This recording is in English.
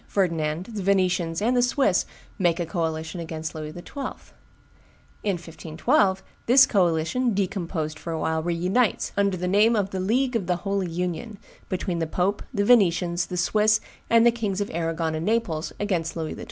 Ferdinand, the Venetians, and the Swiss make a coalition against Louis XII. In 1512, this coalition, decomposed for a while, re unites, under the name of the League of the Holy Union, between the pope, the Venetians, the Swiss, and the Kings of Arragon and Naples against Louis XII.